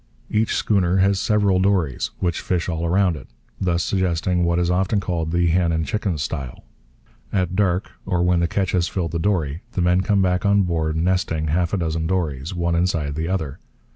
Each schooner has several dories, which fish all round it, thus suggesting what is often called the hen and chickens style. At dark, or when the catch has filled the dory, the men come back on board, 'nesting' half a dozen dories, one inside the other.